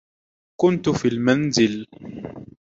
كنت في المنزل